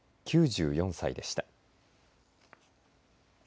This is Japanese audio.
９４歳でした。